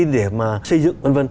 để mà xây dựng vân vân